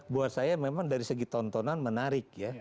buat saya memang dari segi tontonan menarik ya